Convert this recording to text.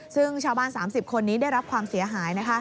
ซึ่งชาวบ้าน๓๐คนนี้ได้รับความเสียหาย